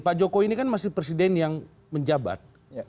pak jokowi ini kan masih presiden yang menjabat